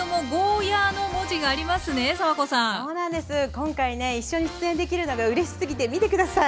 今回ね一緒に出演できるのがうれしすぎて見てください。